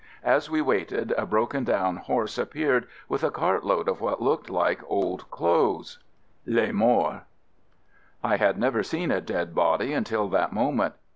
As we waited a broken down horse appeared with a cart load of what looked like old clothes — "Les Morts." I had never seen FIELD SERVICE 9 a dead body until that moment.